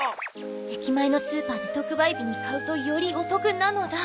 駅前のスーパーで特売日に買うとよりお得なのだ。